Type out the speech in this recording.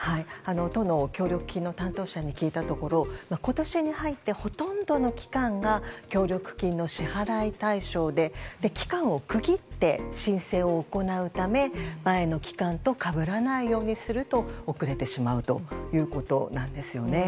都の協力金の担当者に聞いたところ今年に入って、ほとんどの期間が協力金の支払い対象で期間を区切って申請を行うため前の期間と被らないようにすると遅れてしまうということなんですよね。